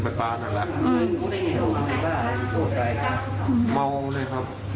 ไปนอนแป๊บเดียวอาจารย์ลูกวัดที่ผมเอาควังหินไปปานั่นแหละ